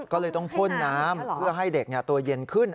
ก็เลยต้องพ่นน้ำเพื่อให้เด็กตัวเย็นขึ้น